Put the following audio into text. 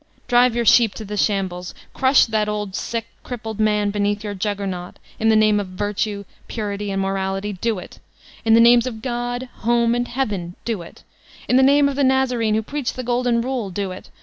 Drive your sheep to the shambles! Crush that old, sick, crip pled man beneath your Juggernaut! In the name of Virtue, Purity and Morality, do it I In the name of God, Home, and Heaven, do it 1 In the name of the Nazarene who preadied the golden rule, do it!